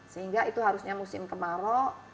sehingga itu harusnya musim kemarau